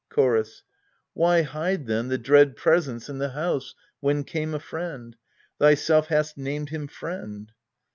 Chorus. Why hide then the dread Presence in the house, When came a friend ? Thyself hast named him friend.